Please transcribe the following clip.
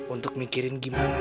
untuk mikirin gimana